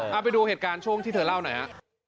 เอาไปดูเหตุการณ์ช่วงที่เธอเล่าหน่อยฮะ